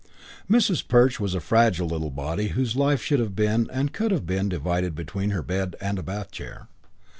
V Mrs. Perch was a fragile little body whose life should have been and could have been divided between her bed and a bath chair.